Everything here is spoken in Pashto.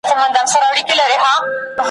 د پیرانو په خرقوکي شیطانان دي ,